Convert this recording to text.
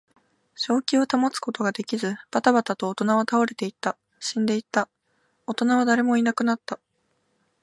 正気を保つことができず、ばたばたと大人は倒れていった。死んでいった。大人は誰もいなくなった。